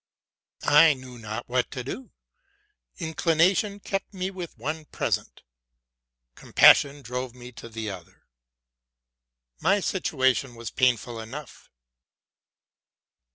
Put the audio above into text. I knew not what to do. Inclination kept me with the one present: compassion drove me to the other. My situation was pain ful enough.